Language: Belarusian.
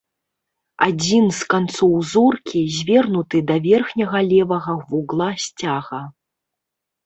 Адзін з канцоў зоркі звернуты да верхняга левага вугла сцяга.